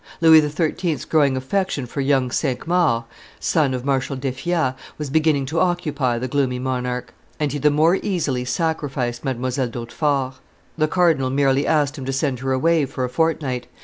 Louis XIII.'s growing affection for young Cinq Mars, son of Marshal d'Effiat, was beginning to occupy the gloomy monarch; and he the more easily sacrificed Mdlle. d'Hautefort. The cardinal merely asked him to send her away for a fortnight.